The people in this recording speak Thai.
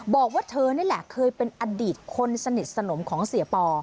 บอกว่าเธอนี่แหละเคยเป็นอดีตคนสนิทสนมของเสียปอ